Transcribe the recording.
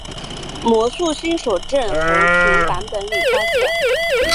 魔术新手症候群版本里发现。